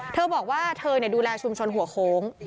เธอบอกว่าเธอดูแลชุมชนหัวโค้ง